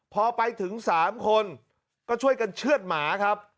พอไปถึง๓คนก็ช่วยกันเชื่อดหมาครับ